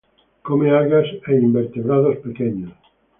Come algas y invertebrados pequeños.